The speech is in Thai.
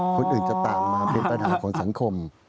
คนอื่นจะต่างมาเป็นปัญหาของสังคม